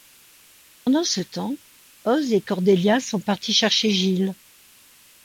Pendant ce temps, Oz et Cordelia sont partis chercher Giles.